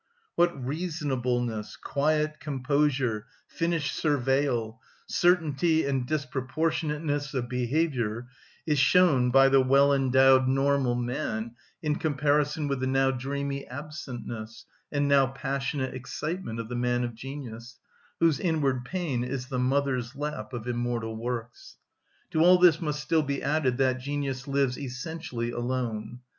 What reasonableness, quiet composure, finished surveyal, certainty and proportionateness of behaviour is shown by the well‐endowed normal man in comparison with the now dreamy absentness, and now passionate excitement of the man of genius, whose inward pain is the mother's lap of immortal works! To all this must still be added that genius lives essentially alone.